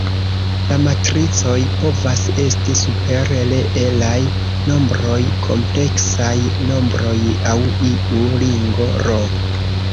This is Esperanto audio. La matricoj povas esti super reelaj nombroj, kompleksaj nombroj aŭ iu ringo "R".